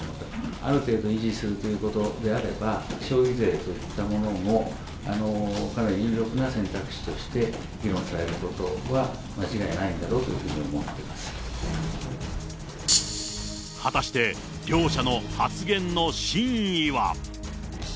ある程度維持するということであれば、消費税といったものも、かなり有力な選択肢として議論されることは間違いないんだろうと果たして、両者の発言の真意は。